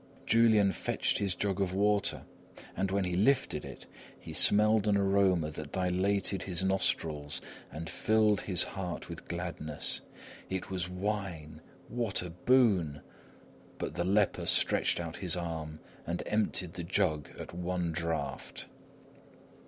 Julian fetched his jug of water and when he lifted it, he smelled an aroma that dilated his nostrils and filled his heart with gladness. It was wine; what a boon! but the leper stretched out his arm and emptied the jug at one draught.